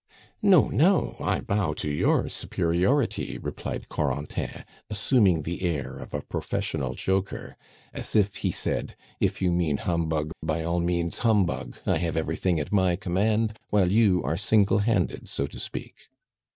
"No, no, I bow to your superiority," replied Corentin, assuming the air of a professional joker, as if he said, "If you mean humbug, by all means humbug! I have everything at my command, while you are single handed, so to speak."